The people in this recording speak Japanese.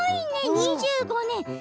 ２５年。